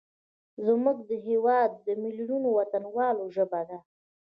زموږ د هیواد میلیونونو وطنوالو ژبه ده.